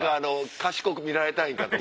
賢く見られたいんか？とか。